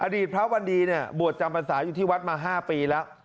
อดีตพระวันนี้บวชจำปัญหาอยู่ที่วัฒน์มา๕ปีแล้ว